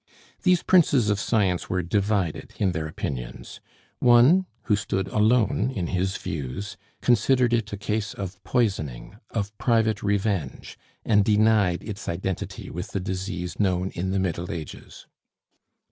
These princes of science were divided in their opinions. One, who stood alone in his views, considered it a case of poisoning, of private revenge, and denied its identity with the disease known in the Middle Ages.